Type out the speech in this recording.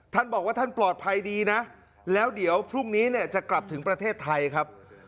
ท่านบอกว่าท่านปลอดภัยดีนะแล้วเดี๋ยวพรุ่งนี้เนี่ยจะกลับถึงประเทศไทยครับ